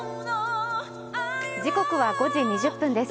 時刻は５時２０分です。